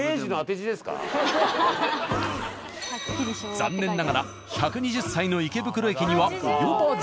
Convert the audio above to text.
残念ながら１２０歳の池袋駅には及ばず。